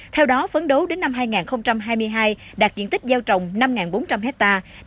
theo đó phấn đấu đến năm hai nghìn hai mươi hai đạt diện tích gieo trồng năm bốn trăm linh hectare